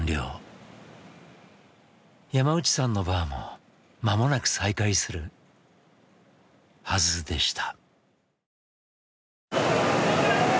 山内さんのバーもまもなく再開するはずでした。